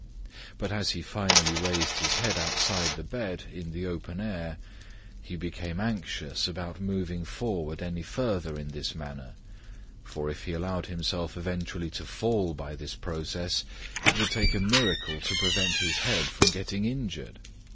But as he finally raised his head outside the bed in the open air, he became anxious about moving forward any further in this manner, for if he allowed himself eventually to fall by this process, it would take a miracle to prevent his head from getting injured.